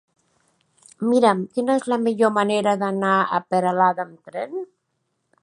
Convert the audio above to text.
Mira'm quina és la millor manera d'anar a Peralada amb tren.